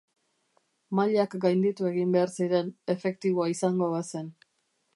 Mailak gainditu egin behar ziren, efektiboa izango bazen.